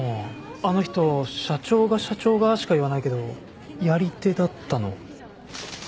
あの人「社長が社長が」しか言わないけどやり手だったの？